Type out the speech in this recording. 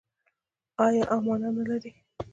آیا او مانا نلري؟